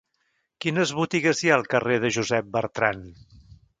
Quines botigues hi ha al carrer de Josep Bertrand?